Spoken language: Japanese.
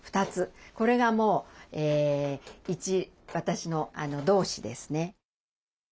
これがもう一私の同志ですね。